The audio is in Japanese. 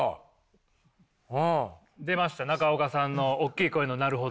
出ました中岡さんのおっきい声の「なるほど」が。